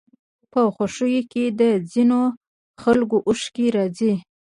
په خوښيو کې د ځينو خلکو اوښکې راځي.